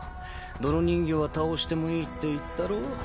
泥人形は倒してもいいって言ったろ。